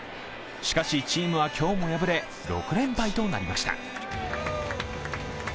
しかし、チームは今日も敗れ、６連敗となりました。